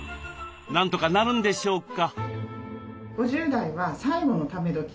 なんとかなるんでしょうか？